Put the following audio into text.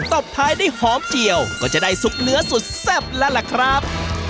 ตบท้ายได้หอมเจียวก็จะได้ซุปเนื้อสุดแซ่บแล้วล่ะครับ